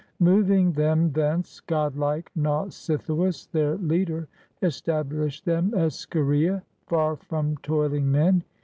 Moving them thence, godlike Nausithoiis, their leader, established them at Scheria, far from toiling men.